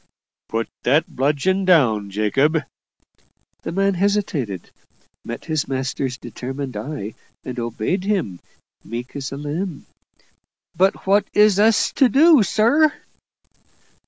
"Put that bludgeon down, Jacob." The man hesitated met his master's determined eye and obeyed him, meek as a lamb. "But what is us to do, sir?"